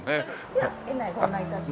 では園内ご案内致します。